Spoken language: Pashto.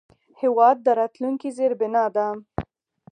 هېواد د راتلونکي زیربنا ده.